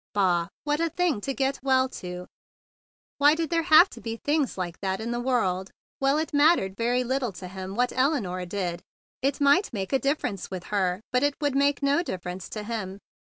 Bah! What a thing to get well to! Why did there have to be things like that in the world? Well, it 156 THE BIG BLUE SOLDIER mattered very little to him what Elinore did. It might make a difference with her, but it would make no difference to him.